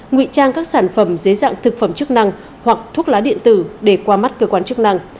nguy trang các sản phẩm dưới dạng thực phẩm chức năng hoặc thuốc lá điện tử để qua mắt cơ quan chức năng